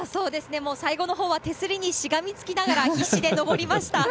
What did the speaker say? もう最後のほうは手すりにしがみつきながら、必死で上りました。